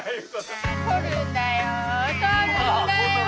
取るんだよ取るんだよ。